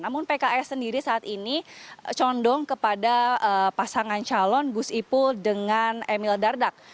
namun pks sendiri saat ini condong kepada pasangan calon gus ipul dengan emil dardak